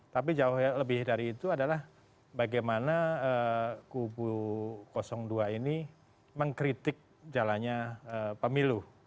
tapi jauh lebih dari itu adalah bagaimana kubu dua ini mengkritik jalannya pemilu